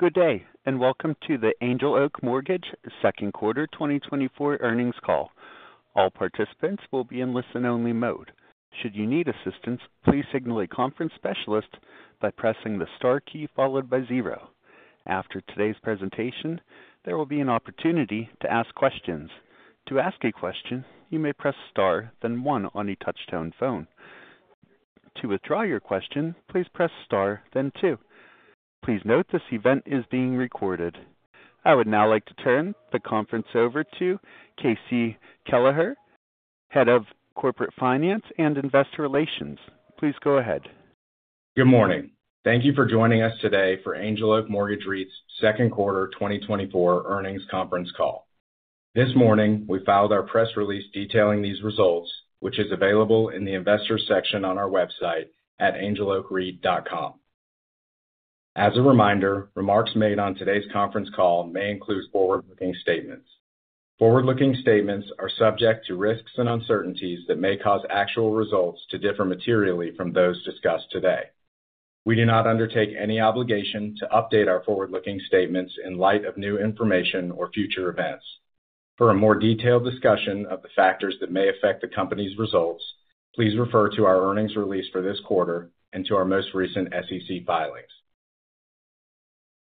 Good day, and welcome to the Angel Oak Mortgage Second Quarter 2024 Earnings Call. All participants will be in listen-only mode. Should you need assistance, please signal a conference specialist by pressing the star key followed by zero. After today's presentation, there will be an opportunity to ask questions. To ask a question, you may press star, then one on a touchtone phone. To withdraw your question, please press star, then two. Please note this event is being recorded. I would now like to turn the conference over to KC Kelleher, Head of Corporate Finance and Investor Relations. Please go ahead. Good morning. Thank you for joining us today for Angel Oak Mortgage REIT's Second Quarter 2024 Earnings Conference Call. This morning, we filed our press release detailing these results, which is available in the Investors section on our website at angeloakreit.com. As a reminder, remarks made on today's conference call may include forward-looking statements. Forward-looking statements are subject to risks and uncertainties that may cause actual results to differ materially from those discussed today. We do not undertake any obligation to update our forward-looking statements in light of new information or future events. For a more detailed discussion of the factors that may affect the company's results, please refer to our earnings release for this quarter and to our most recent SEC filings.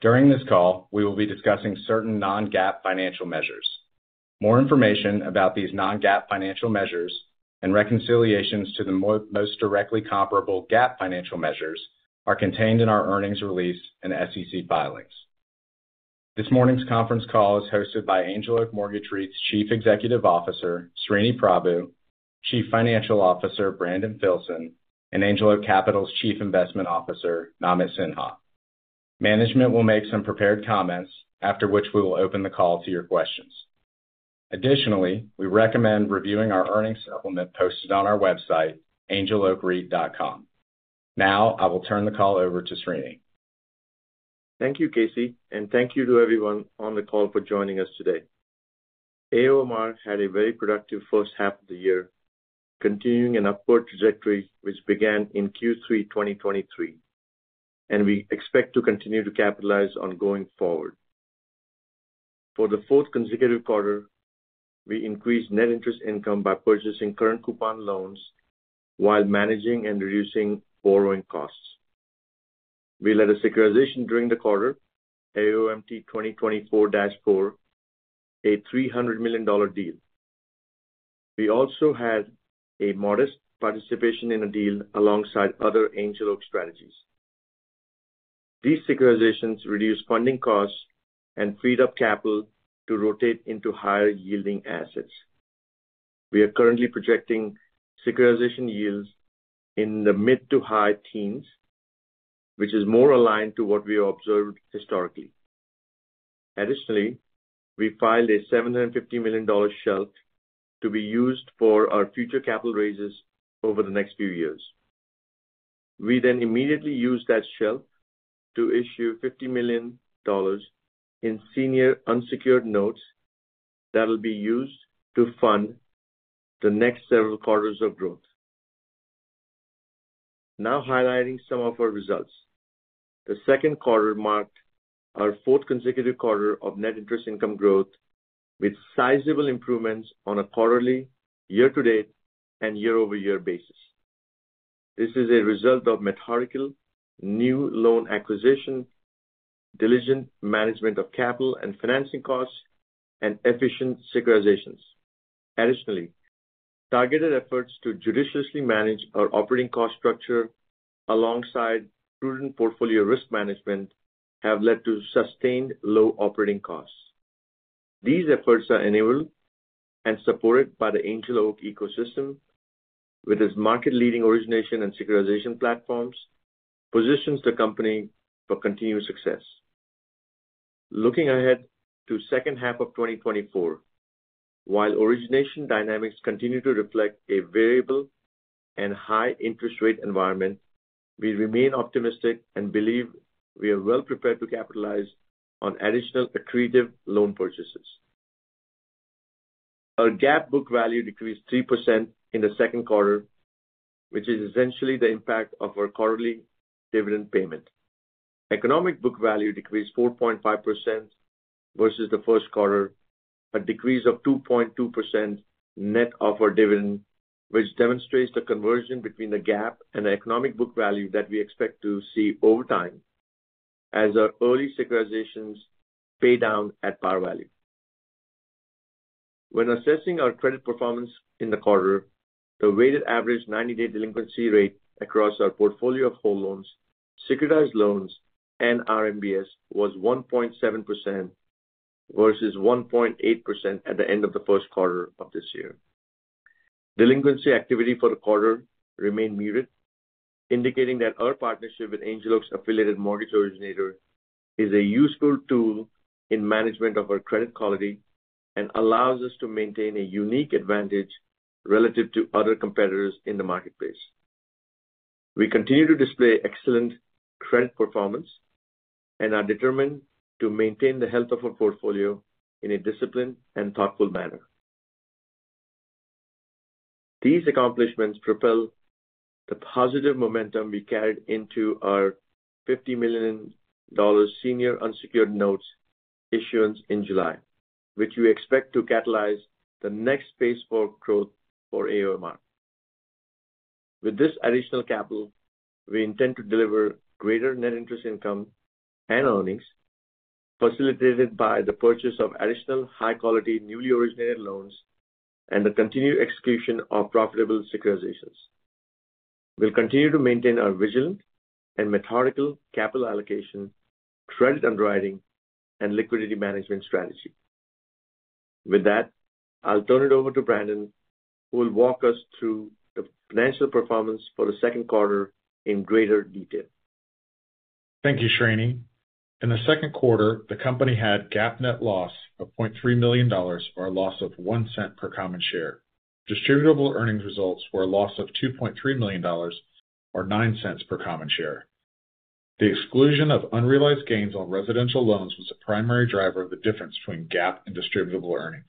During this call, we will be discussing certain non-GAAP financial measures. More information about these non-GAAP financial measures and reconciliations to the most directly comparable GAAP financial measures are contained in our earnings release and SEC filings. This morning's conference call is hosted by Angel Oak Mortgage REIT's Chief Executive Officer, Sreeni Prabhu, Chief Financial Officer, Brandon Filson, and Angel Oak Capital's Chief Investment Officer, Namit Sinha. Management will make some prepared comments, after which we will open the call to your questions. Additionally, we recommend reviewing our earnings supplement posted on our website, angeloakreit.com. Now, I will turn the call over to Sreeni. Thank you, KC, and thank you to everyone on the call for joining us today. AOMR had a very productive first half of the year, continuing an upward trajectory which began in Q3 2023, and we expect to continue to capitalize on going forward. For the fourth consecutive quarter, we increased net interest income by purchasing current coupon loans while managing and reducing borrowing costs. We led a securitization during the quarter, AOMT 2024-4, a $300 million deal. We also had a modest participation in a deal alongside other Angel Oak strategies. These securitizations reduced funding costs and freed up capital to rotate into higher-yielding assets. We are currently projecting securitization yields in the mid- to high teens, which is more aligned to what we observed historically. Additionally, we filed a $750 million shelf to be used for our future capital raises over the next few years. We then immediately used that shelf to issue $50 million in senior unsecured notes that will be used to fund the next several quarters of growth. Now highlighting some of our results. The second quarter marked our fourth consecutive quarter of net interest income growth, with sizable improvements on a quarterly, year-to-date, and year-over-year basis. This is a result of methodical new loan acquisition, diligent management of capital and financing costs, and efficient securitizations. Additionally, targeted efforts to judiciously manage our operating cost structure alongside prudent portfolio risk management have led to sustained low operating costs. These efforts are enabled and supported by the Angel Oak ecosystem, with its market-leading origination and securitization platforms, positions the company for continued success. Looking ahead to second half of 2024, while origination dynamics continue to reflect a variable and high interest rate environment, we remain optimistic and believe we are well prepared to capitalize on additional accretive loan purchases. Our GAAP book value decreased 3% in the second quarter, which is essentially the impact of our quarterly dividend payment. Economic book value decreased 4.5% versus the first quarter, a decrease of 2.2% net of our dividend, which demonstrates the conversion between the GAAP and the economic book value that we expect to see over time as our early securitizations pay down at par value. When assessing our credit performance in the quarter, the weighted average ninety-day delinquency rate across our portfolio of whole loans, securitized loans, and RMBS was 1.7%, versus 1.8% at the end of the first quarter of this year. Delinquency activity for the quarter remained muted, indicating that our partnership with Angel Oak's affiliated mortgage originator is a useful tool in management of our credit quality and allows us to maintain a unique advantage relative to other competitors in the marketplace. We continue to display excellent credit performance and are determined to maintain the health of our portfolio in a disciplined and thoughtful manner.... These accomplishments propel the positive momentum we carried into our $50 million senior unsecured notes issuance in July, which we expect to catalyze the next phase for growth for AOMR. With this additional capital, we intend to deliver greater net interest income and earnings, facilitated by the purchase of additional high-quality, newly originated loans and the continued execution of profitable securitizations. We'll continue to maintain our vigilant and methodical capital allocation, credit underwriting, and liquidity management strategy. With that, I'll turn it over to Brandon, who will walk us through the financial performance for the second quarter in greater detail. Thank you, Sreeni. In the second quarter, the company had GAAP net loss of $0.3 million, or a loss of $0.01 per common share. Distributable earnings results were a loss of $2.3 million, or $0.09 per common share. The exclusion of unrealized gains on residential loans was the primary driver of the difference between GAAP and distributable earnings.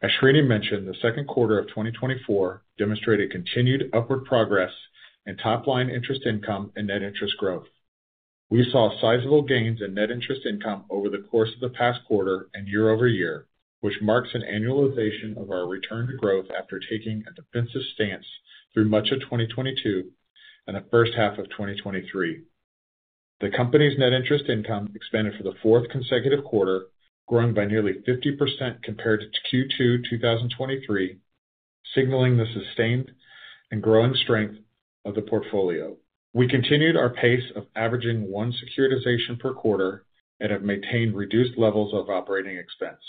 As Sreeni mentioned, the second quarter of 2024 demonstrated continued upward progress in top-line interest income and net interest growth. We saw sizable gains in net interest income over the course of the past quarter and year-over-year, which marks an annualization of our return to growth after taking a defensive stance through much of 2022 and the first half of 2023. The company's net interest income expanded for the fourth consecutive quarter, growing by nearly 50% compared to Q2 2023, signaling the sustained and growing strength of the portfolio. We continued our pace of averaging 1 securitization per quarter and have maintained reduced levels of operating expense.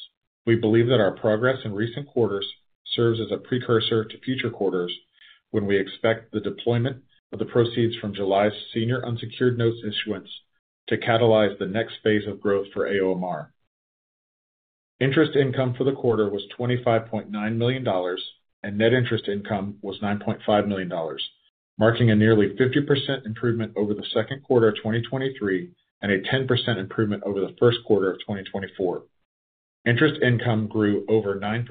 We believe that our progress in recent quarters serves as a precursor to future quarters, when we expect the deployment of the proceeds from July's senior unsecured notes issuance to catalyze the next phase of growth for AOMR. Interest income for the quarter was $25.9 million, and net interest income was $9.5 million, marking a nearly 50% improvement over the second quarter of 2023 and a 10% improvement over the first quarter of 2024. Interest income grew over 9%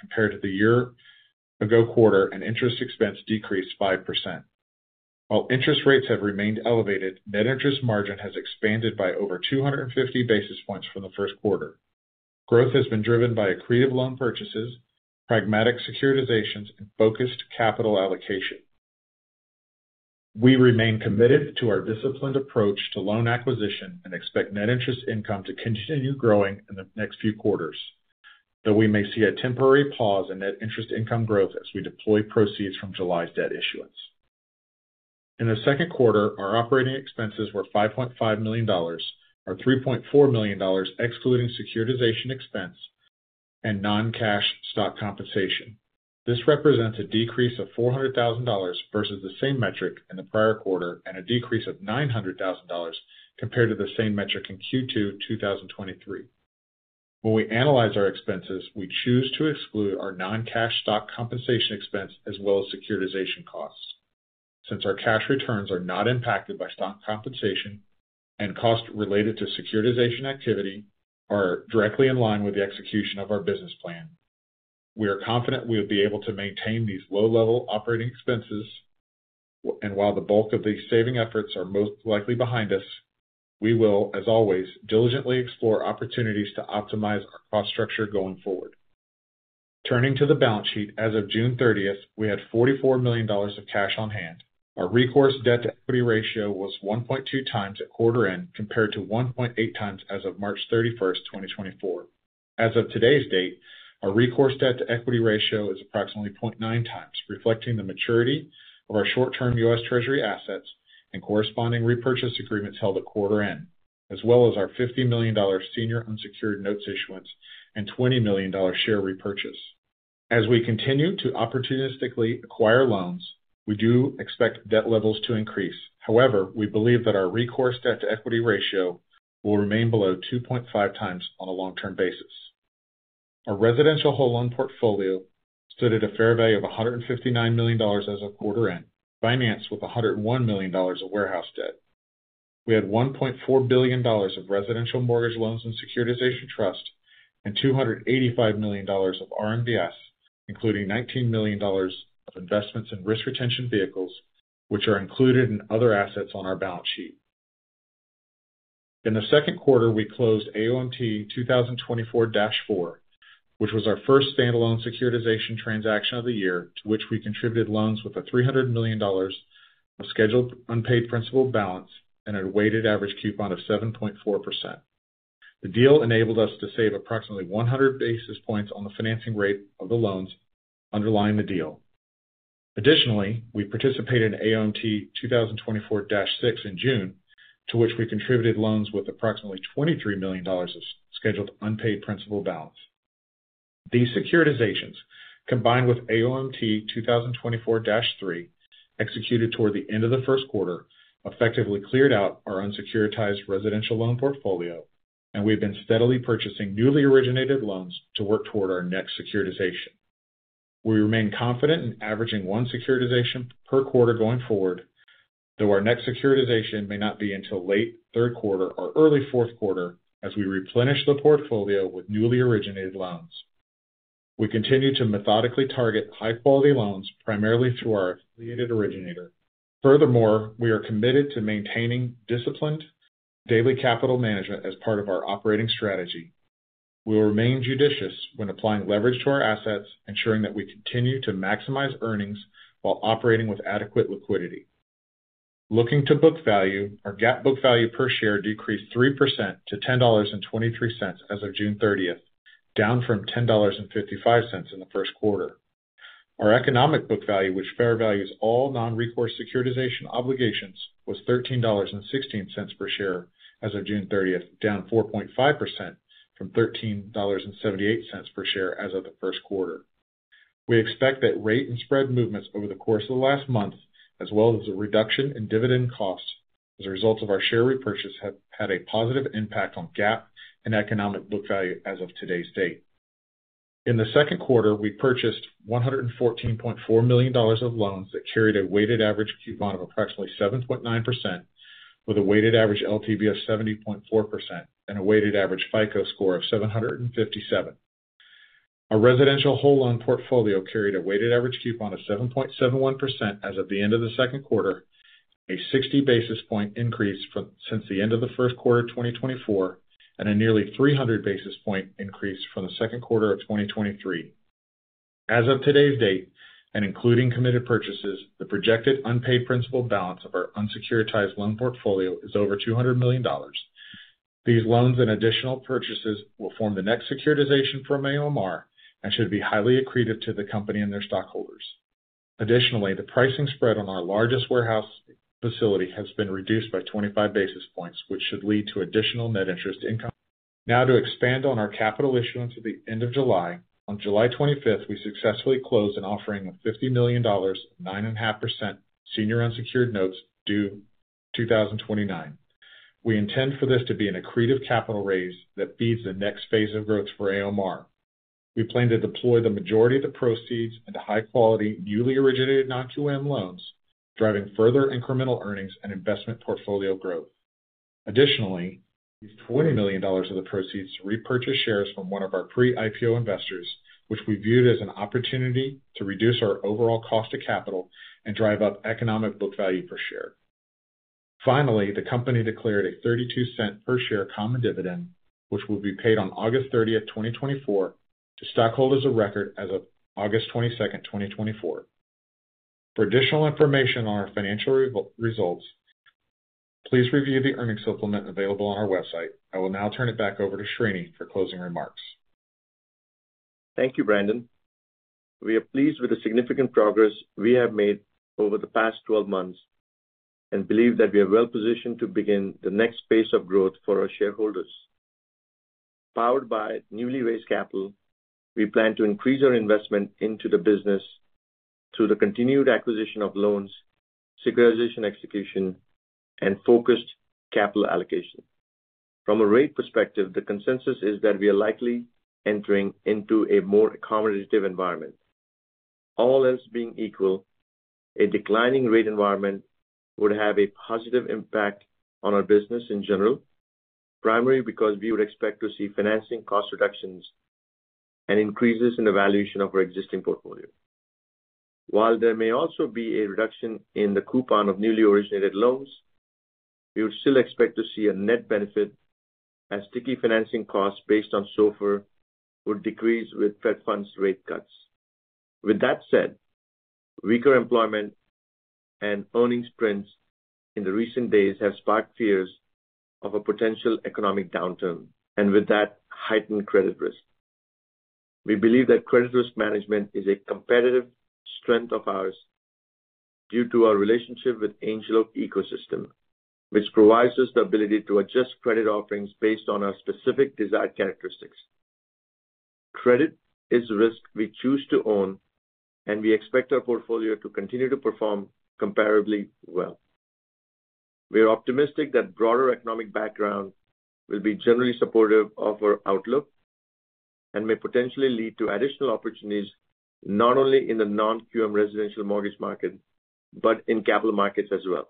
compared to the year-ago quarter, and interest expense decreased 5%. While interest rates have remained elevated, net interest margin has expanded by over 250 basis points from the first quarter. Growth has been driven by accretive loan purchases, pragmatic securitizations, and focused capital allocation. We remain committed to our disciplined approach to loan acquisition and expect net interest income to continue growing in the next few quarters, though we may see a temporary pause in net interest income growth as we deploy proceeds from July's debt issuance. In the second quarter, our operating expenses were $5.5 million, or $3.4 million, excluding securitization expense and non-cash stock compensation. This represents a decrease of $400,000 versus the same metric in the prior quarter and a decrease of $900,000 compared to the same metric in Q2 2023. When we analyze our expenses, we choose to exclude our non-cash stock compensation expense as well as securitization costs. Since our cash returns are not impacted by stock compensation and costs related to securitization activity are directly in line with the execution of our business plan, we are confident we will be able to maintain these low-level operating expenses. While the bulk of these saving efforts are most likely behind us, we will, as always, diligently explore opportunities to optimize our cost structure going forward. Turning to the balance sheet, as of June 30th, we had $44 million of cash on hand. Our recourse debt-to-equity ratio was 1.2x at quarter end, compared to 1.8x as of March 31st, 2024. As of today's date, our recourse debt-to-equity ratio is approximately 0.9x, reflecting the maturity of our short-term U.S. Treasury assets and corresponding repurchase agreements held at quarter end, as well as our $50 million senior unsecured notes issuance and $20 million share repurchase. As we continue to opportunistically acquire loans, we do expect debt levels to increase. However, we believe that our recourse debt-to-equity ratio will remain below 2.5x on a long-term basis. Our residential whole loan portfolio stood at a fair value of $159 million as of quarter end, financed with $101 million of warehouse debt. We had $1.4 billion of residential mortgage loans and securitization trust and $285 million of RMBS, including $19 million of investments in risk retention vehicles, which are included in other assets on our balance sheet. In the second quarter, we closed AOMT 2024-4, which was our first standalone securitization transaction of the year, to which we contributed loans with $300 million of scheduled unpaid principal balance and a weighted average coupon of 7.4%. The deal enabled us to save approximately 100 basis points on the financing rate of the loans underlying the deal. Additionally, we participated in AOMT 2024-6 in June, to which we contributed loans with approximately $23 million of scheduled unpaid principal balance. These securitizations, combined with AOMT 2024-3, executed toward the end of the first quarter, effectively cleared out our unsecuritized residential loan portfolio, and we've been steadily purchasing newly originated loans to work toward our next securitization. We remain confident in averaging one securitization per quarter going forward.... though our next securitization may not be until late third quarter or early fourth quarter as we replenish the portfolio with newly originated loans. We continue to methodically target high-quality loans, primarily through our affiliated originator. Furthermore, we are committed to maintaining disciplined daily capital management as part of our operating strategy. We will remain judicious when applying leverage to our assets, ensuring that we continue to maximize earnings while operating with adequate liquidity. Looking to book value, our GAAP book value per share decreased 3% to $10.23 as of June thirtieth, down from $10.55 in the first quarter. Our economic book value, which fair values all non-recourse securitization obligations, was $13.16 per share as of June thirtieth, down 4.5% from $13.78 per share as of the first quarter. We expect that rate and spread movements over the course of the last month, as well as a reduction in dividend costs as a result of our share repurchase, have had a positive impact on GAAP and economic book value as of today's date. In the second quarter, we purchased $114.4 million of loans that carried a weighted average coupon of approximately 7.9%, with a weighted average LTV of 70.4% and a weighted average FICO score of 757. Our residential whole loan portfolio carried a weighted average coupon of 7.71% as of the end of the second quarter, a 60 basis point increase since the end of the first quarter of 2024, and a nearly 300 basis point increase from the second quarter of 2023. As of today's date, and including committed purchases, the projected unpaid principal balance of our unsecuritized loan portfolio is over $200 million. These loans and additional purchases will form the next securitization for AOMR and should be highly accretive to the company and their stockholders. Additionally, the pricing spread on our largest warehouse facility has been reduced by 25 basis points, which should lead to additional net interest income. Now, to expand on our capital issuance at the end of July. On July 25th, we successfully closed an offering of $50 million, 9.5% senior unsecured notes due 2029. We intend for this to be an accretive capital raise that feeds the next phase of growth for AOMR. We plan to deploy the majority of the proceeds into high-quality, newly originated non-QM loans, driving further incremental earnings and investment portfolio growth. Additionally, $20 million of the proceeds to repurchase shares from one of our pre-IPO investors, which we viewed as an opportunity to reduce our overall cost of capital and drive up economic book value per share. Finally, the company declared a $0.32 per share common dividend, which will be paid on August 30th, 2024, to stockholders of record as of August 22nd 2024. For additional information on our financial results, please review the earnings supplement available on our website. I will now turn it back over to Sreeni for closing remarks. Thank you, Brandon. We are pleased with the significant progress we have made over the past 12 months and believe that we are well-positioned to begin the next phase of growth for our shareholders. Powered by newly raised capital, we plan to increase our investment into the business through the continued acquisition of loans, securitization, execution, and focused capital allocation. From a rate perspective, the consensus is that we are likely entering into a more accommodative environment. All else being equal, a declining rate environment would have a positive impact on our business in general, primarily because we would expect to see financing cost reductions and increases in the valuation of our existing portfolio. While there may also be a reduction in the coupon of newly originated loans, we would still expect to see a net benefit as sticky financing costs based on SOFR would decrease with Fed funds rate cuts. With that said, weaker employment and earnings trends in the recent days have sparked fears of a potential economic downturn, and with that, heightened credit risk. We believe that credit risk management is a competitive strength of ours due to our relationship with Angel Oak Ecosystem, which provides us the ability to adjust credit offerings based on our specific desired characteristics. Credit is the risk we choose to own, and we expect our portfolio to continue to perform comparably well. We are optimistic that broader economic background will be generally supportive of our outlook and may potentially lead to additional opportunities, not only in the non-QM residential mortgage market, but in capital markets as well.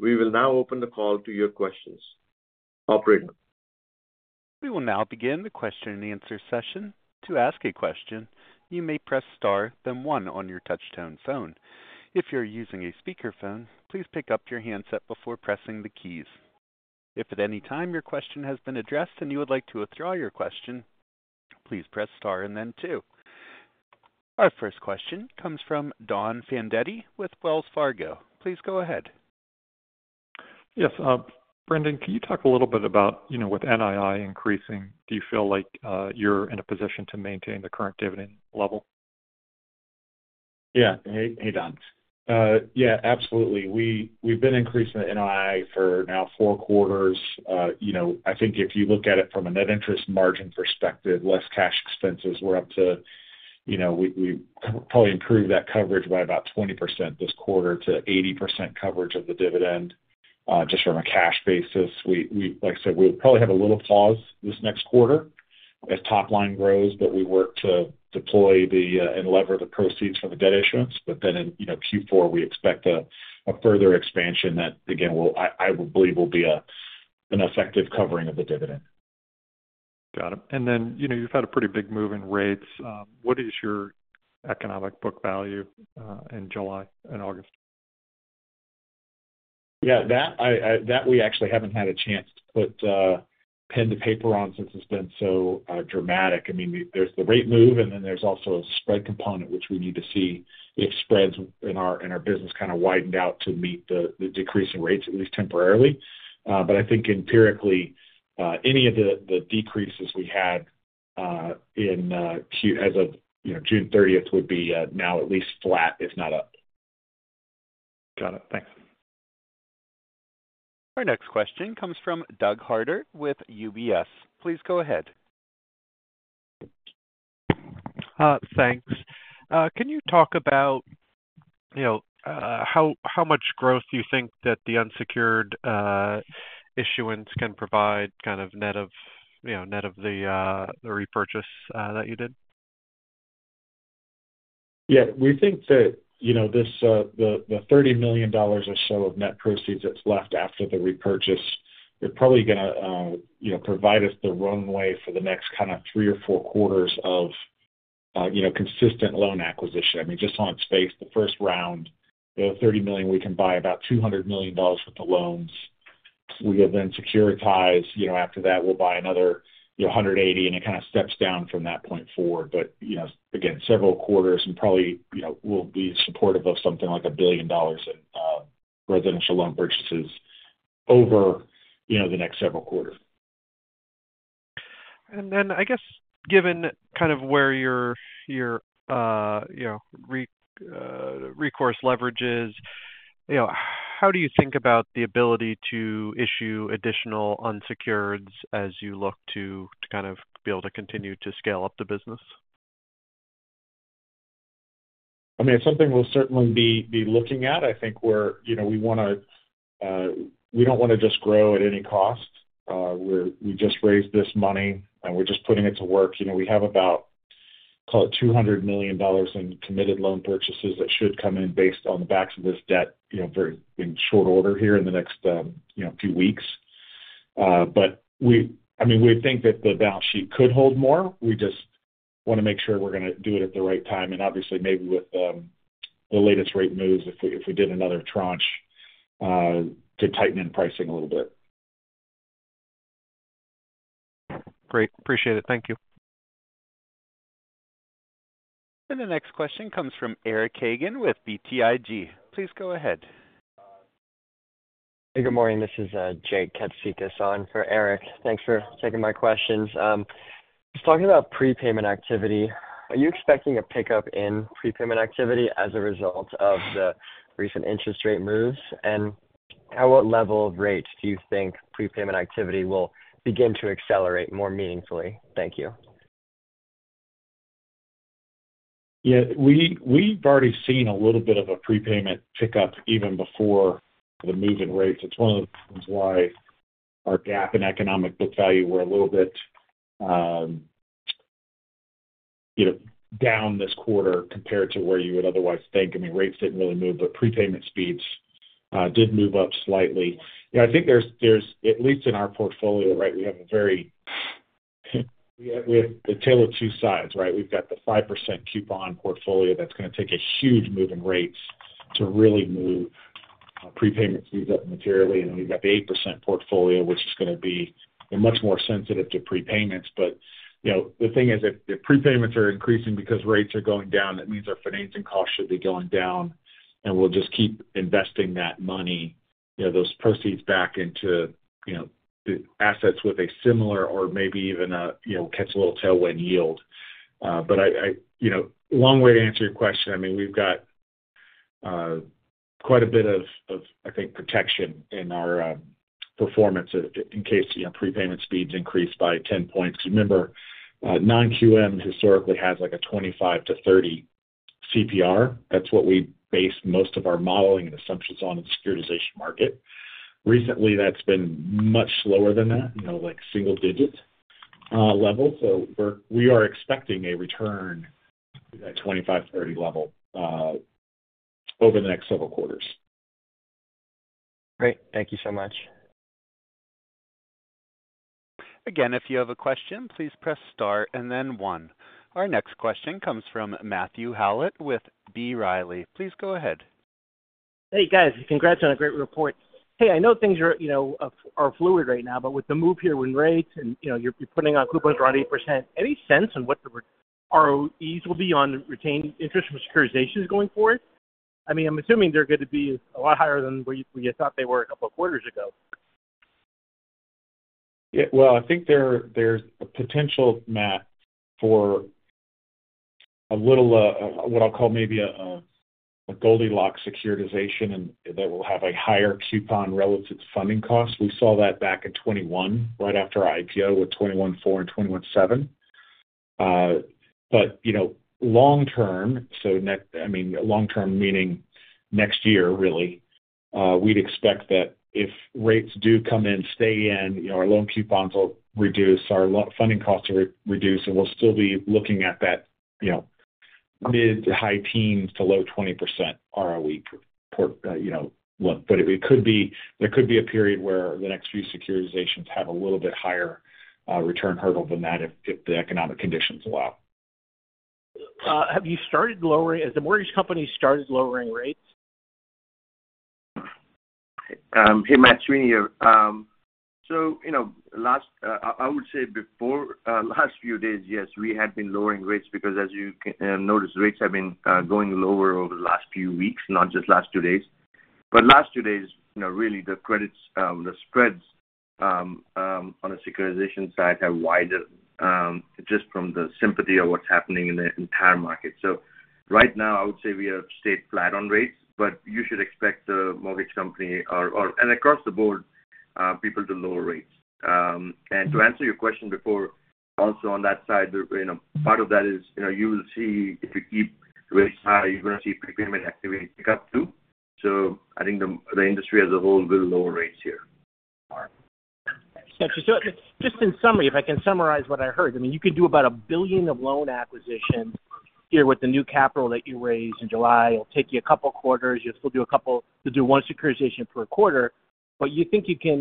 We will now open the call to your questions. Operator? We will now begin the question-and-answer session. To ask a question, you may press star, then one on your touch-tone phone. If you're using a speakerphone, please pick up your handset before pressing the keys. If at any time your question has been addressed and you would like to withdraw your question, please press star and then two. Our first question comes from Don Fandetti with Wells Fargo. Please go ahead. Yes, Brandon, can you talk a little bit about, you know, with NII increasing, do you feel like you're in a position to maintain the current dividend level? Yeah. Hey, hey, Don. Yeah, absolutely. We, we've been increasing the NII for now four quarters. You know, I think if you look at it from a net interest margin perspective, less cash expenses, we're up to, you know, we, we probably improved that coverage by about 20% this quarter to 80% coverage of the dividend.... just from a cash basis, we, like I said, we'll probably have a little pause this next quarter as top line grows, but we work to deploy the and lever the proceeds from the debt issuance. But then in, you know, Q4, we expect a further expansion that, again, I believe will be an effective covering of the dividend. Got it. And then, you know, you've had a pretty big move in rates. What is your economic book value in July and August? Yeah, that we actually haven't had a chance to put pen to paper on since it's been so dramatic. I mean, there's the rate move, and then there's also a spread component, which we need to see if spreads in our business kind of widened out to meet the decrease in rates, at least temporarily. But I think empirically, any of the decreases we had in Q as of, you know, June 30th, would be now at least flat, if not up. Got it. Thanks. Our next question comes from Doug Harter with UBS. Please go ahead. Thanks. Can you talk about, you know, how much growth do you think that the unsecured issuance can provide, kind of, net of, you know, net of the repurchase that you did? Yeah, we think that, you know, this, the $30 million or so of net proceeds that's left after the repurchase, they're probably gonna, you know, provide us the runway for the next kind of three or four quarters of, you know, consistent loan acquisition. I mean, just on its face, the first round, the $30 million, we can buy about $200 million worth of loans. We have then securitized, you know, after that, we'll buy another, you know, $180 million, and it kind of steps down from that point forward. But, you know, again, several quarters and probably, you know, will be supportive of something like $1 billion in residential loan purchases over, you know, the next several quarters. And then, I guess, given kind of where your recourse leverage is, you know, how do you think about the ability to issue additional unsecureds as you look to kind of be able to continue to scale up the business? I mean, it's something we'll certainly be looking at. I think we're you know, we wanna, we don't wanna just grow at any cost. We're we just raised this money, and we're just putting it to work. You know, we have about, call it $200 million in committed loan purchases that should come in based on the backs of this debt, you know, very in short order here in the next, you know, few weeks. But we I mean, we think that the balance sheet could hold more. We just wanna make sure we're gonna do it at the right time, and obviously maybe with the latest rate moves, if we did another tranche, could tighten in pricing a little bit. Great. Appreciate it. Thank you. The next question comes from Eric Hagen with BTIG. Please go ahead. Good morning, this is Jake Katsikas on for Eric. Thanks for taking my questions. Just talking about prepayment activity, are you expecting a pickup in prepayment activity as a result of the recent interest rate moves? And at what level of rates do you think prepayment activity will begin to accelerate more meaningfully? Thank you. Yeah, we, we've already seen a little bit of a prepayment pickup even before the move in rates. It's one of the reasons why our GAAP and economic book value were a little bit, you know, down this quarter compared to where you would otherwise think. I mean, rates didn't really move, but prepayment speeds did move up slightly. You know, I think there's at least in our portfolio, right, we have a tale of two sides, right? We've got the 5% coupon portfolio that's gonna take a huge move in rates to really move prepayment speeds up materially. And then we've got the 8% portfolio, which is gonna be much more sensitive to prepayments. But, you know, the thing is, if the prepayments are increasing because rates are going down, that means our financing costs should be going down, and we'll just keep investing that money, you know, those proceeds back into, you know, assets with a similar or maybe even a, you know, catch a little tailwind yield. But I-- you know, long way to answer your question, I mean, we've got quite a bit of, of, I think, protection in our performance in case, you know, prepayment speeds increase by 10 points. Remember, non-QM historically has like a 25-30 CPR. That's what we base most of our modeling and assumptions on in the securitization market. Recently, that's been much slower than that, you know, like single digits level. We are expecting a return to that 25-30 level over the next several quarters. Great. Thank you so much. Again, if you have a question, please press star and then one. Our next question comes from Matthew Howlett with B. Riley. Please go ahead. Hey, guys, congrats on a great report. Hey, I know things are, you know, fluid right now, but with the move here with rates and, you know, you're putting on coupons around 8%, any sense on what the ROEs will be on retained interest from securitizations going forward? I mean, I'm assuming they're going to be a lot higher than what you thought they were a couple of quarters ago. Yeah. Well, I think there, there's a potential, Matt, for a little, what I'll call maybe a Goldilocks securitization, and that will have a higher coupon relative to funding costs. We saw that back in 2021, right after our IPO with 2021-4 and 2021-7. But, you know, long term, so next, I mean, long term meaning next year really, we'd expect that if rates do come in, stay in, you know, our loan coupons will reduce, funding costs will reduce, and we'll still be looking at that, you know, mid- to high-teens to low 20% ROE portfolio. But it could be, there could be a period where the next few securitizations have a little bit higher return hurdle than that if the economic conditions allow. Has the mortgage company started lowering rates? Hey, Matt, Sreeni here. So, you know, last, I would say before last few days, yes, we had been lowering rates because as you notice, rates have been going lower over the last few weeks, not just last two days. But last two days, you know, really the credits, the spreads on the securitization side have widened, just from the sympathy of what's happening in the entire market. So right now I would say we have stayed flat on rates, but you should expect the mortgage company or, or and across the board, people to lower rates. And to answer your question before, also on that side, you know, part of that is, you know, you will see if you keep rates high, you're gonna see prepayment activity pick up too. I think the industry as a whole will lower rates here. Got you. So just in summary, if I can summarize what I heard, I mean, you could do about $1 billion of loan acquisitions here with the new capital that you raised in July. It'll take you a couple of quarters. You'll still do one securitization per quarter, but you think you can,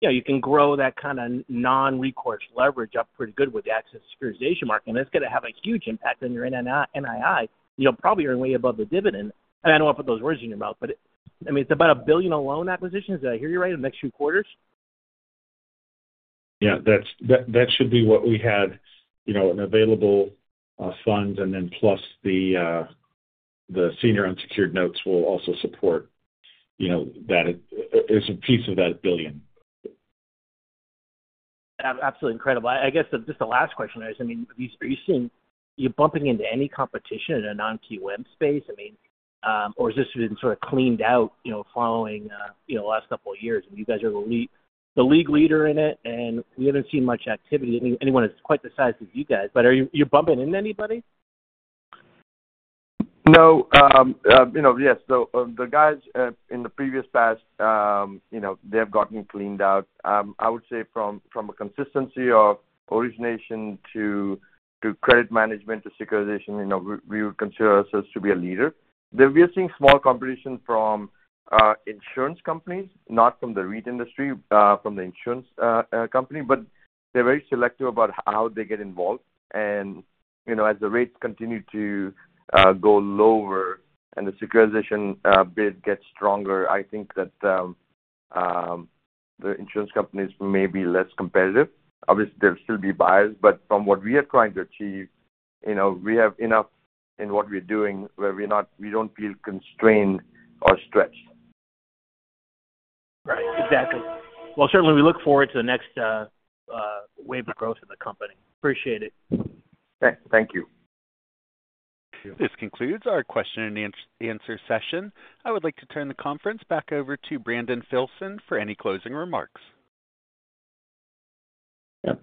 you know, you can grow that kind of non-recourse leverage up pretty good with the access to securitization market, and it's gonna have a huge impact on your NII. You know, probably you're way above the dividend, and I don't want to put those words in your mouth, but, I mean, it's about $1 billion in loan acquisitions. Did I hear you right, in the next few quarters? Yeah, that's that, that should be what we had, you know, available funds, and then plus the Senior Unsecured Notes will also support, you know, that it is a piece of that $1 billion. Absolutely incredible. I guess just the last question is, I mean, are you bumping into any competition in a non-QM space? I mean, or has this been sort of cleaned out, you know, following, you know, the last couple of years? And you guys are the league leader in it, and we haven't seen much activity, anyone that's quite the size as you guys, but are you bumping into anybody? No. you know, yes. So, the guys in the previous past, you know, they have gotten cleaned out. I would say from, from a consistency of origination to, to credit management to securitization, you know, we, we would consider ourselves to be a leader. Then we are seeing small competition from insurance companies, not from the REIT industry, from the insurance company. But they're very selective about how they get involved. And, you know, as the rates continue to go lower and the securitization bid gets stronger, I think that the insurance companies may be less competitive. Obviously, there'll still be buyers, but from what we are trying to achieve, you know, we have enough in what we're doing, where we're not, we don't feel constrained or stretched. Right. Exactly. Well, certainly we look forward to the next wave of growth in the company. Appreciate it. Thank you. This concludes our question and answer session. I would like to turn the conference back over to Brandon Filson for any closing remarks. Yeah.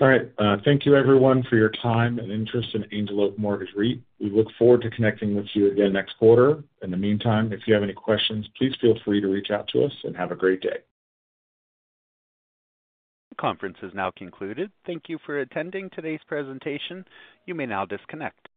All right. Thank you everyone for your time and interest in Angel Oak Mortgage REIT. We look forward to connecting with you again next quarter. In the meantime, if you have any questions, please feel free to reach out to us and have a great day. Conference is now concluded. Thank you for attending today's presentation. You may now disconnect.